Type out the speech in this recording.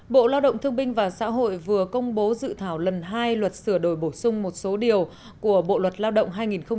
bộ lao động thương binh và xã hội vừa công bố dự thảo lần hai luật sửa đổi bổ sung một số điều của bộ luật lao động hai nghìn một mươi năm